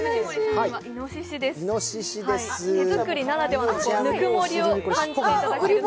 手作りならではのぬくもりを感じていただけるかと。